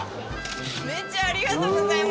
めっちゃありがとうございます。